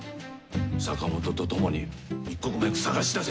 坂本と共に一刻も早く探し出せ！